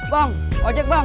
bang ojek bang